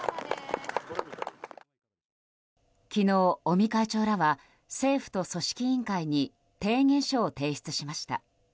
昨日、尾身会長らは政府と組織委員会に提言書を提出しました。